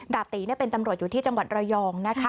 ดาบตีเป็นตำรวจอยู่ที่จังหวัดระยอง